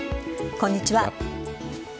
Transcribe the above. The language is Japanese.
こんにちは。